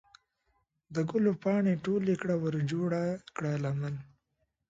د ګلو پاڼې ټولې کړه ورجوړه کړه لمن